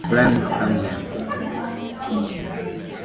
She attended Pineridge Elementary School and Prince Rupert Secondary School.